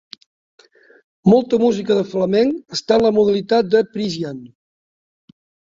Molta música de flamenc està en la modalitat de Phrygian.